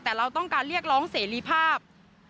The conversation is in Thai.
แต่เราต้องการเรียกร้องเสรีภาพ